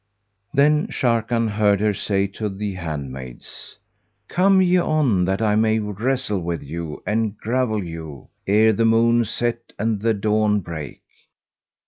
Then Sharrkan heard her say to the handmaids, "Come ye on, that I may wrestle with you and gravel you, ere the moon set and the dawn break!"